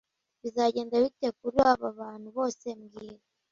Bizagenda bite kuri aba bantu bose mbwira